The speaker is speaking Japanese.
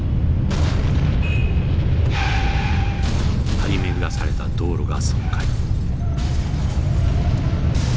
張り巡らされた道路が損壊。